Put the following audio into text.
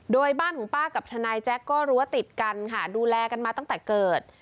โดยบ้านของป้ากับทนายแจ๊คก็รั้วติดกันค่ะดูแลกันมาตั้งแต่เกิด